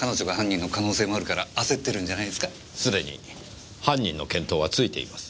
すでに犯人の見当はついています。